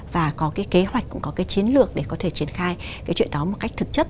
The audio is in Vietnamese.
và có cái kế hoạch cũng có cái chiến lược để có thể triển khai cái chuyện đó một cách thực chất